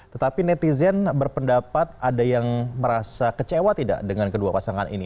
tetapi netizen berpendapat ada yang merasa kecewa tidak dengan kedua pasangan ini